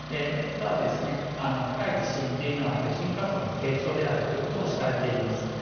ただ、深い地震というのは余震活動が低調であるということも知られています。